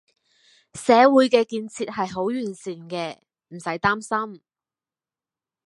社會嘅建設係好完善嘅，唔駛擔心